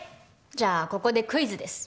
じゃあここでクイズです